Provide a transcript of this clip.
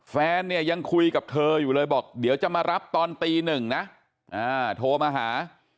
แฟนเนี่ยยังคุยกับเธออยู่เลยบอกเดี๋ยวจะมารับตอนตีหนึ่งนะโทรมาหา